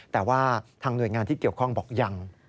แต่ว่าทางหน่วยงานที่เกี่ยวข้องบอกยัง